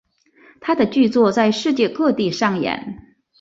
他的剧作在世界各地上演。